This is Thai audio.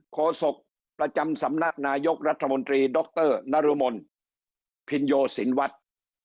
โศกประจำสำนักนายกรัฐมนตรีดรนรมนภินโยสินวัฒน์